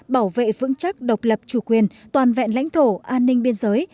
bảo vệ vững chắc độc lập chủ quyền toàn vẹn lãnh thổ an ninh biên giới